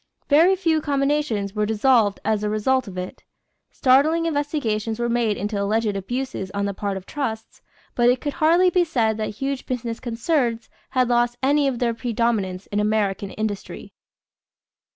Very few combinations were dissolved as a result of it. Startling investigations were made into alleged abuses on the part of trusts; but it could hardly be said that huge business concerns had lost any of their predominance in American industry.